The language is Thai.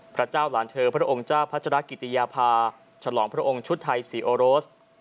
พระเจ้าหลานเธอพระองค์เจ้าพัชรกิติยาภาฉลองพระองค์ชุดไทยสีโอโรส